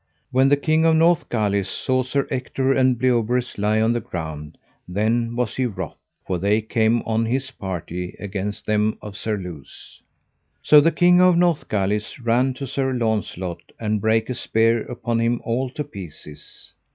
When the King of Northgalis saw Sir Ector and Bleoberis lie on the ground then was he wroth, for they came on his party against them of Surluse. So the King of Northgalis ran to Sir Launcelot, and brake a spear upon him all to pieces.